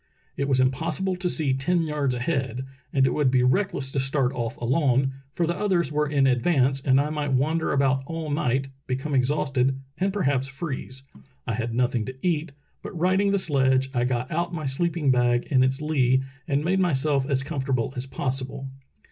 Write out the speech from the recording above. It was impossible to see ten yards ahead, and it would be reckless to start off alone, for the others were in ad vance, and I might wander about all night, become ex hausted, and perhaps freeze. I had nothing to eat, but righting the sledge I got out my sleeping bag in its lee and made myself as comfortable as possible."